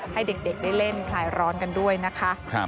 ให้เด็กได้เล่นคลายร้อนกันด้วยนะคะ